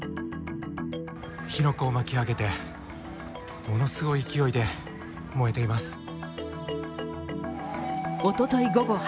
火の粉を巻き上げてものすごい勢いで燃えています。